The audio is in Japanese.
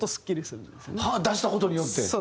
出した事によって。